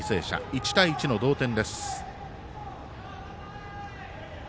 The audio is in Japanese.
１対１の同点。